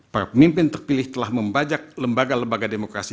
para pemimpin terpilih telah membajak lembaga lembaga demokrasi